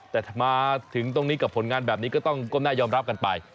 แต่ถ้ามาถึงตรงนี้กับผลงานแบบนี้ก็ต้องก้มหน้ายอมรับกันไป